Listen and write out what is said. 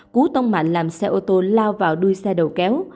cú tông mạnh làm xe ô tô lao vào đuôi xe đầu kéo